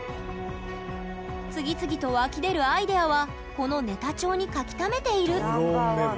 次々と湧き出るアイデアはこのネタ帳に書きためているドローンメモ。